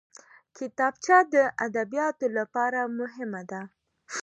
کتابچه د ادبیاتو لپاره مهمه ده